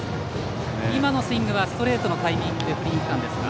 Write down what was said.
今のスイングはストレートのタイミングで振りに行ったんですが。